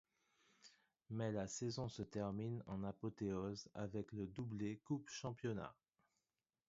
Mais la saison se termine en apothéose avec le doublé Coupe-Championnat.